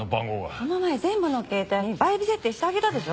この前全部の携帯にバイブ設定してあげたでしょ！